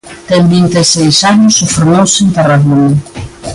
Ten vinte e seis anos e formouse en Tarragona.